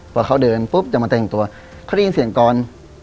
พอเขาเดินปุ๊บจะมาแต่งตัวเขาได้ยินเสียงกร